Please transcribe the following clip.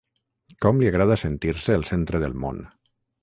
Com li agrada sentir-se el centre del món!